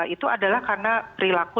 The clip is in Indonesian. itu adalah karena perilaku